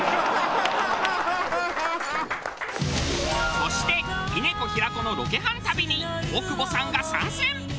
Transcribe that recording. そして峰子平子のロケハン旅に大久保さんが参戦！